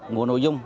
nguồn nội dung